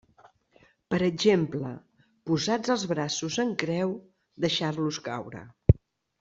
Per exemple, posats els braços en creu, deixar-los caure.